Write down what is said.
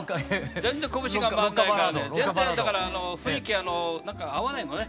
全然小節が回んないからね全然だから雰囲気なんか合わないのね。